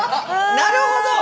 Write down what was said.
なるほど！